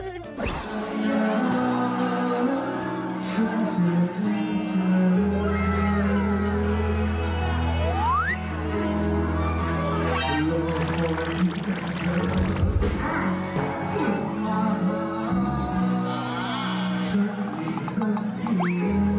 นี่แสงกระสุนรึเปล่านะ